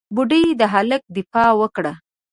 بوډۍ د هلک دفاع وکړه.